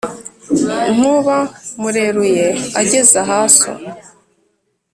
nkuba mureruye ugeze aha so.